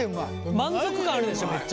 満足感あるでしょめっちゃ。